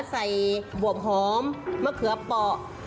ใส่หวบหอมมะเขือเปาะ